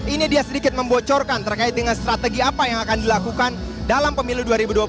ini dia sedikit membocorkan terkait dengan strategi apa yang akan dilakukan dalam pemilu dua ribu dua puluh